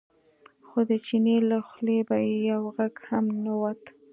خو د چیني له خولې به یو غږ هم نه ووت.